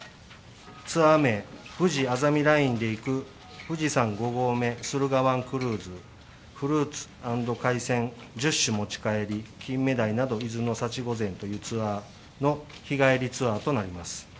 ツアー名、ふじあざみラインで行く富士山５合目駿河湾クルーズ、フルーツ海鮮１０種持ち帰り、金目鯛など伊豆のツアー、日帰りツアーとなります。